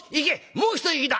もう一息だ。